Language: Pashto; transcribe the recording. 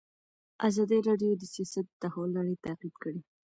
ازادي راډیو د سیاست د تحول لړۍ تعقیب کړې.